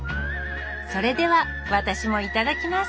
それでは私もいただきます